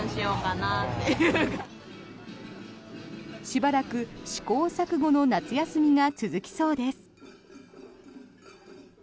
しばらく試行錯誤の夏休みが続きそうです。